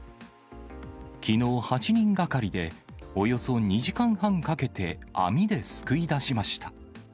きのう、８人がかりで、およそ２時間半かけて網ですくい出しました。